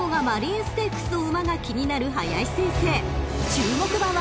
［注目馬は］